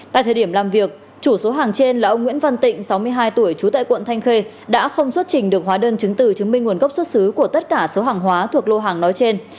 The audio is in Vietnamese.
tại thời điểm làm việc chủ số hàng trên là ông nguyễn văn tịnh sáu mươi hai tuổi trú tại quận thanh khê đã không xuất trình được hóa đơn chứng từ chứng minh nguồn gốc xuất xứ của tất cả số hàng hóa thuộc lô hàng nói trên